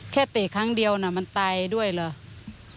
เตะครั้งเดียวน่ะมันตายด้วยเหรอ